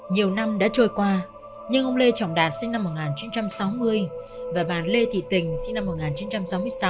nhiều năm đã trôi qua nhưng ông lê trọng đạt sinh năm một nghìn chín trăm sáu mươi và bà lê thị tình sinh năm một nghìn chín trăm sáu mươi sáu